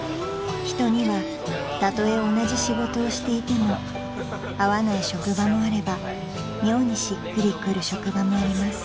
［人にはたとえ同じ仕事をしていても合わない職場もあれば妙にしっくりくる職場もあります］